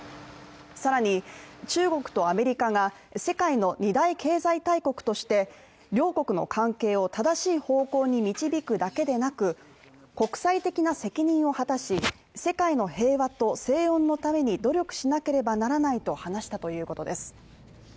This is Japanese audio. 更に中国とアメリカが世界の二大経済大国として両国の関係を正しい方向に導くだけでなく、国際的な責任を果たし、世界の平和と静穏のために努力しなければならないと話したということです。